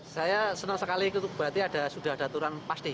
saya senang sekali itu berarti sudah ada aturan pasti